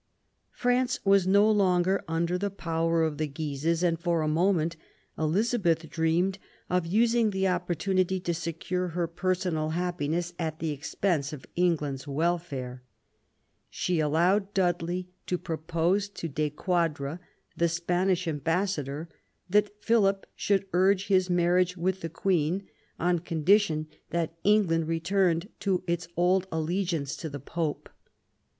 France was no longer under the power of the Guises, and for a moment Elizabeth dreamed of using the opportunity to secure her personal happi ness at the expense of England's welfare. She allowed Dudley to propose to De Quadra, the Spanish 70 QUEEN ELIZABETH, ambassador, that Philip should urge his marriage with the Queen, on condition that England returned to its old allegiance to the Pope.